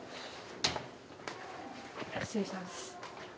失礼します。